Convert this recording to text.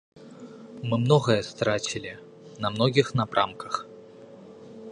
Мы многае страцілі на многіх напрамках.